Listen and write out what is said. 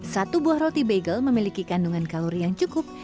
satu buah roti bagel memiliki kandungan kalori yang cukup